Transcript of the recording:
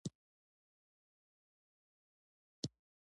بادام د افغانانو لپاره په معنوي لحاظ ډېر ارزښت لري.